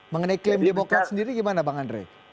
mengenai klaim demokrat sendiri gimana bang andre